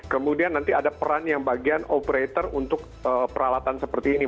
kemudian nanti ada peran yang bagian operator untuk peralatan seperti ini